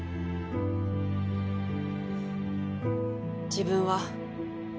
自分は。